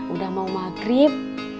udah mau maghrib